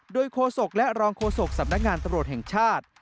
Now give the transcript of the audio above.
โดยโคศกและรองโฆษกสำนักงานตำรวจแห่งชาติ